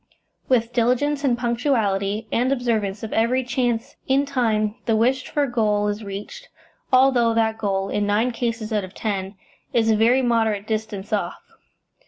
With diligence and punctuality, and observance of every chance, in time the wished for goal is reached, although that goal, in nine cases out of ten, is a very moderate distance off.